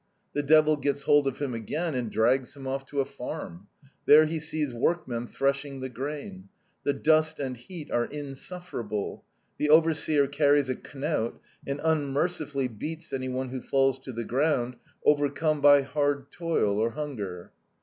The devil gets hold of him again and drags him off to a farm. There he sees workmen threshing the grain. The dust and heat are insufferable. The overseer carries a knout, and unmercifully beats anyone who falls to the ground overcome by hard toil or hunger.